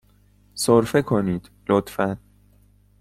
سرفه کنید، لطفاً.